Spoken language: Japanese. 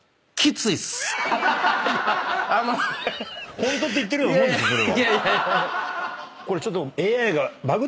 ホントって言ってるようなもんですよそれは。